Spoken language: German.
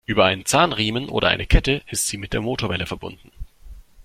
Über einen Zahnriemen oder eine Kette ist sie mit der Motorwelle verbunden.